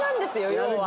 要は。